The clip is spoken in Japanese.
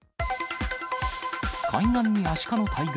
海岸にアシカの大群。